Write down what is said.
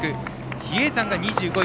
比叡山が２５位。